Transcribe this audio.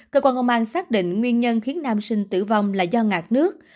cơ quan công an xác định nguyên nhân khiến nam sinh tử vong là do ngạc nước